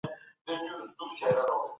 که مغول مسلمان سوي نه وای څه به سوي وو؟